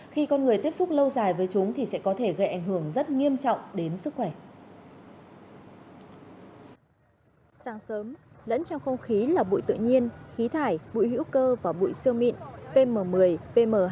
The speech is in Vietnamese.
khi con người tiếp xúc lâu dài với chúng thì sẽ có thể gây ảnh hưởng rất nghiêm trọng đến sức khỏe